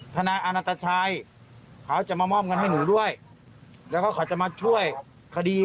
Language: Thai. นายอานัตชัยเขาจะมามอบเงินให้หนูด้วยแล้วก็เขาจะมาช่วยคดี